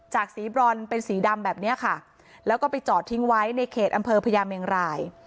สีบรอนเป็นสีดำแบบเนี้ยค่ะแล้วก็ไปจอดทิ้งไว้ในเขตอำเภอพญาเมงราย